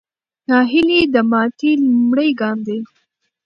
ناهیلي د ماتې لومړی ګام دی.